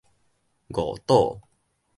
五堵